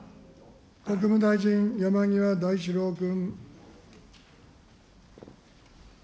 国務大臣、山際大志郎君。